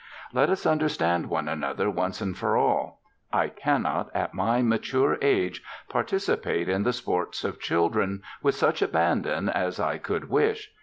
Let us understand one another once and for all. I cannot at my mature age participate in the sports of children with such abandon as I could wish.